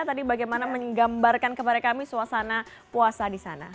tadi bagaimana menggambarkan kepada kami suasana puasa di sana